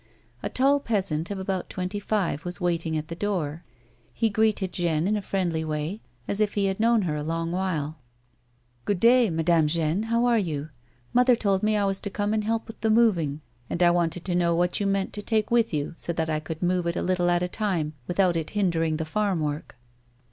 A tall peasant of about twenty five was waiting at the door. He greeted Jeanne in a friendly way, as if he had known her a long while :" Good day, Madame Jeanne, how are you ] Mother told me I was to come and help with the moving, and I wanted to know what you meant to take with you, so that I could move it a little at a time without it hindering the farm work."